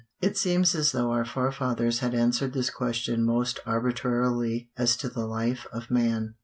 It seems as though our forefathers had answered this question most arbitrarily as to the life of man.